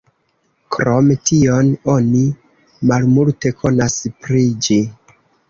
Krom tion, oni malmulte konas pri ĝi.